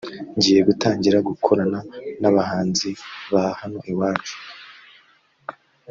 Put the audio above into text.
“Ngiye gutangira gukorana n’abahanzi ba hano iwacu